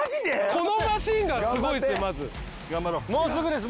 このマシンがすごいんですよ